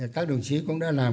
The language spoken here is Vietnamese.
các đồng chí cũng đã làm